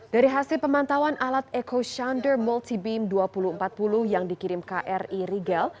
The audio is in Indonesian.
dari hasil pemantauan alat echo shounder multibeam dua ribu empat puluh yang dikirim kri rigel